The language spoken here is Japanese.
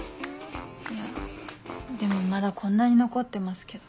いやでもまだこんなに残ってますけど。